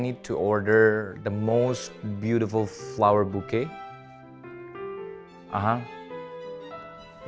seperti biasa saya perlu pesan buke bunga yang paling indah